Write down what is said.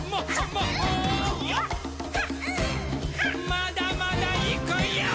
まだまだいくヨー！